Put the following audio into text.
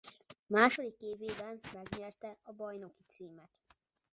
Második évében megnyerte a bajnoki címet.